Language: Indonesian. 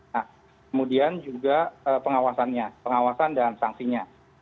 nah kemudian juga pengawasannya pengawasan dan sanksinya